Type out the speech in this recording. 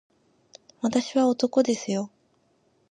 私は男ですよ